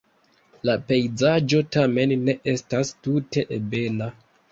La pejzaĝo tamen ne estas tute ebena.